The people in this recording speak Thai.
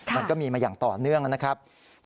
มันก็มีมาอย่างต่อเนื่องนะครับ